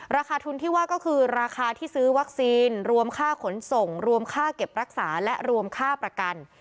ราคาทุนที่ว่าก็คือราคาที่ซื้อวัคซีนรวมค่าขนส่งรวมค่าเก็บรักษาและรวมค่าประกัน